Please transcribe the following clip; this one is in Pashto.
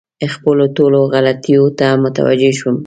خپلو ټولو غلطیو ته متوجه شوم.